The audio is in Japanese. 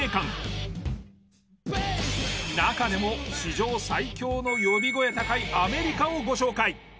中でも史上最強の呼び声高いアメリカをご紹介。